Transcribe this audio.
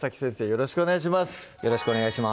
よろしくお願いします